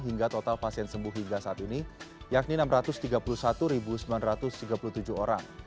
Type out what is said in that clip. hingga total pasien sembuh hingga saat ini yakni enam ratus tiga puluh satu sembilan ratus tiga puluh tujuh orang